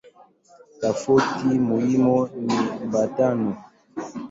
Tofauti muhimu ni tabia no.